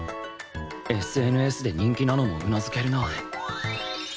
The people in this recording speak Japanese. ＳＮＳ で人気なのもうなずけるな